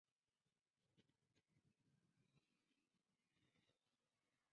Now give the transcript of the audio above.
Más tarde, Terry se disculpó con el guardia.